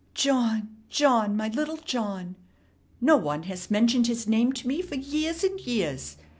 "John, John, my little John. No one has mentioned his name to me for years and years.